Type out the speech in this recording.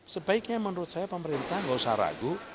sebaiknya menurut saya pemerintah nggak usah ragu